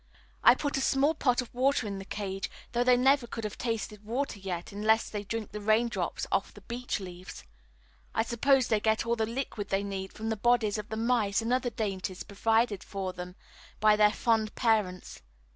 I put a small pot of water in the cage, though they never could have tasted water yet unless they drink the raindrops off the beech leaves. I suppose they get all the liquid they need from the bodies of the mice and other dainties provided for them by their fond parents.